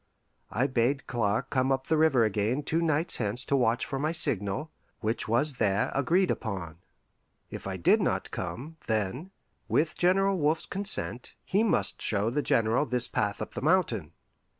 I bade Clark come up the river again two nights hence to watch for my signal, which was there agreed upon. If I did not come, then, with General Wolfe's consent, he must show the General this path up the mountain.